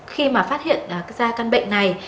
khi mà phát hiện ra căn bệnh này